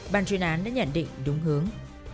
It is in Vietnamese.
ban chuyên án đã nhận định đúng hướng